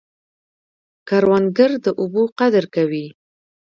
کروندګر د اوبو قدر کوي